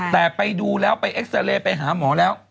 แต่ไปดูแล้วไปเอ็กซาเรย์ไปหาหมอแล้ว